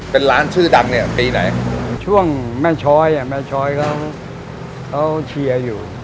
เป็นร้านชื่อดังเนี่ยปีไหนช่วงแม่ช้อยแม่ช้อยเขาเชียร์อยู่